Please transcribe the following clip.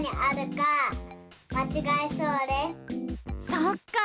そっか。